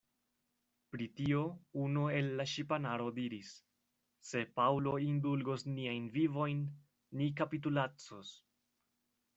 Pri tio, unu el la ŝipanaro diris, Se Paŭlo indulgos niajn vivojn, ni kapitulacos.